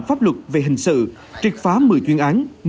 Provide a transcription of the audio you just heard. pháp luật về hình sự triệt phá một mươi chuyên án